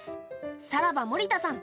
さらば森田さん